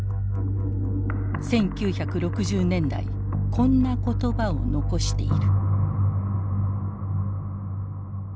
１９６０年代こんな言葉を残している。